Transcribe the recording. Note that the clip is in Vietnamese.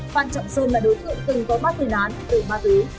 phan trọng sơn là đối tượng từng có mát thử nán từ mát tử